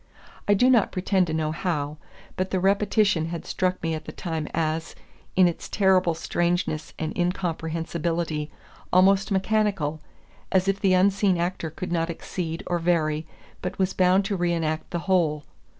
I do not pretend to know how, but the repetition had struck me at the time as, in its terrible strangeness and incomprehensibility, almost mechanical, as if the unseen actor could not exceed or vary, but was bound to re enact the whole.